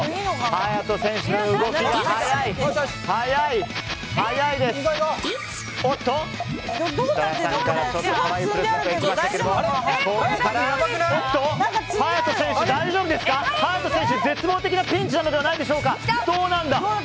勇人選手が絶望的なピンチなのではないでしょか。